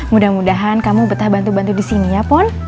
mudah mudahan kamu betah bantu bantu di sini ya pon